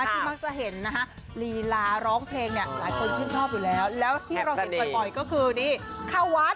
ที่มักจะเห็นน่ะฮะลีลาร้องเพลงอยู่แล้วแล้วแต่เป็นกันหมดอีกกับคือนี้เข้าวัด